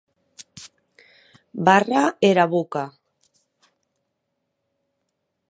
Barra era boca.